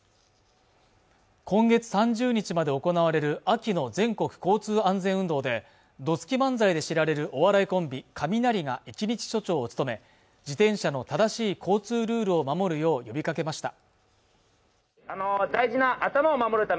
今月３０日まで行われる秋の全国交通安全運動でどつき漫才で知られるお笑いコンビカミナリが１日署長を務め自転車の正しい交通ルールを守るよう呼びかけました